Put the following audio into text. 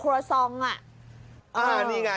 ครัวทรองน่ะ